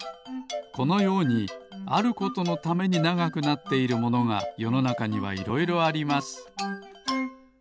このようにあることのためにながくなっているものがよのなかにはいろいろあります。